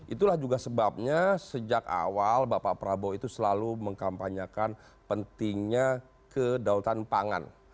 itulah juga sebabnya sejak awal bapak prabowo itu selalu mengkampanyekan pentingnya kedaulatan pangan